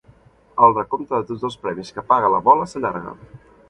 El recompte de tots els premis que paga la bola s'allarga.